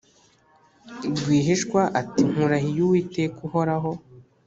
rwihishwa ati Nkurahiye Uwiteka uhoraho